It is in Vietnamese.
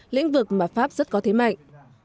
lĩnh vực mà pháp rất có thế mạnh